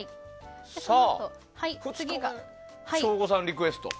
さあ、省吾さんリクエスト。